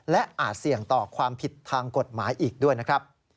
และอาจเสี่ยงต่อความผิดทางกฎหมายอีกด้วยนะครับ